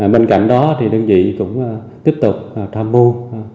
bên cạnh đó thì đơn vị cũng tiếp tục tham mưu